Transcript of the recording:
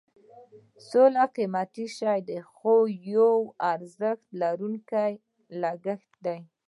سوله قیمتي شی دی خو یو ارزښت لرونکی لګښت دی.